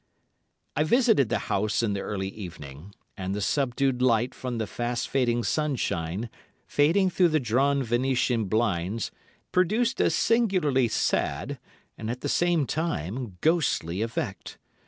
I visited the house in the early evening, and the subdued light from the fast fading sunshine, filtering through the drawn Venetian blinds, produced a singularly sad, and, at the same time, ghostly effect.